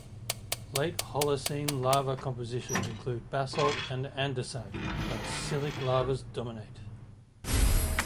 Late Holocene lava compositions include basalt and andesite, but silicic lavas dominate.